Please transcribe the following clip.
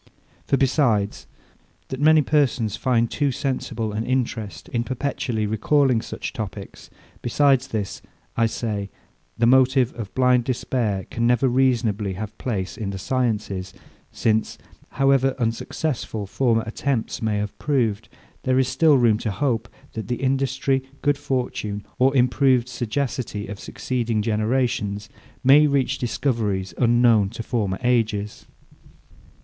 For, besides, that many persons find too sensible an interest in perpetually recalling such topics; besides this, I say, the motive of blind despair can never reasonably have place in the sciences; since, however unsuccessful former attempts may have proved, there is still room to hope, that the industry, good fortune, or improved sagacity of succeeding generations may reach discoveries unknown to former ages.